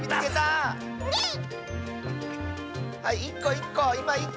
はい１こ１こ！